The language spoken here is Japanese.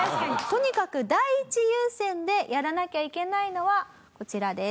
とにかく第一優先でやらなきゃいけないのはこちらです。